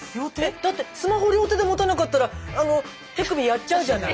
だってスマホ両手で持たなかったらあの手首やっちゃうじゃない。